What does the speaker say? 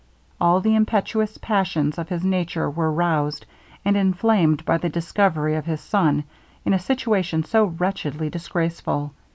All the impetuous passions of his nature were roused and inflamed by the discovery of his son in a situation so wretchedly disgraceful.